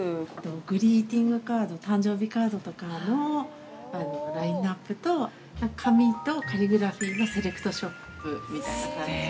◆グリーティングカード誕生日カードとかのラインナップと紙とカリグラフィーのセレクトショップみたいな感じなんですけど。